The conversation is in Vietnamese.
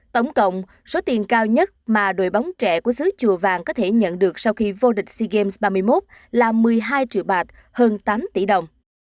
tổng cộng số tiền cao nhất mà đội bóng trẻ của xứ chùa vàng có thể nhận được sau khi vô địch sea games ba mươi một là một mươi hai triệu bạc hơn tám tỷ đồng